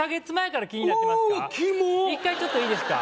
１回ちょっといいですか？